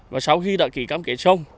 và sau khi đã ký cáp kết xong